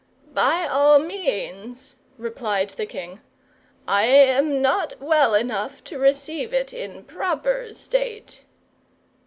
"By all means," replied the king. "I am not well enough to receive it in proper state."